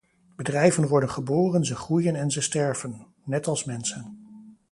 Bedrijven worden geboren, ze groeien en ze sterven – net als mensen.